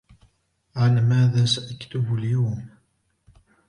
عن ماذا سأكتب اليوم ؟